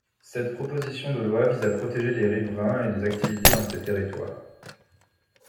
Cette proposition de loi vise à protéger les riverains et les activités dans ces territoires.